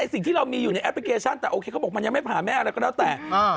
สิ่งที่เรามีอยู่ในแอปพลิเคชันแต่โอเคเขาบอกมันยังไม่ผ่าแม่อะไรก็แล้วแต่